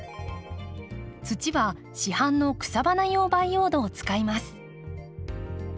土は市販の草花用培養土を使います。